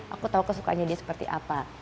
aku tahu kesukaannya dia seperti apa